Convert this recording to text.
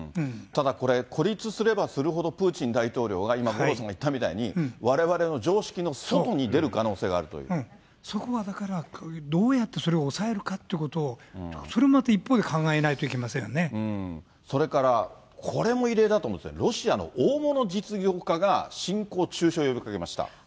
ただこれ、孤立すればするほど、プーチン大統領が今、五郎さんが言ったみたいに、われわれの常識の外に出る可能性があそこはだから、どうやってそれを抑えるかということを、それもまた一方で考えないといけませそれから、これも異例だと思うんですけど、ロシアの大物実業家が侵攻中止を呼びかけました。